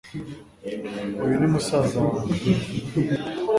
uyu ni musaza wanjye